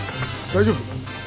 大丈夫？